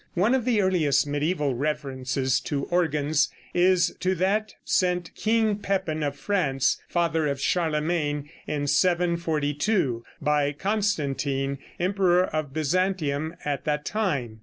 One of the earliest mediæval references to organs is to that sent King Pepin, of France, father of Charlemagne, in 742 by Constantine, emperor of Byzantium at that time.